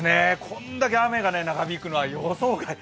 これだけ雨が長引くのは予想外。